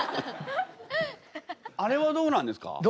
あれはどうなんですか？